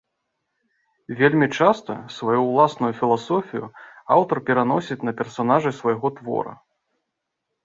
Вельмі часта сваю ўласную філасофію аўтар пераносіць на персанажы свайго твора.